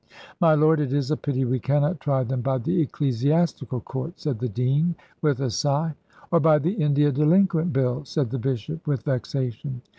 "My lord, it is a pity we cannot try them by the ecclesiastical court," said the dean, with a sigh. "Or by the India delinquent bill," said the bishop, with vexation.